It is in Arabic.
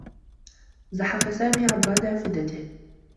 زحف سامي عبر نافذته.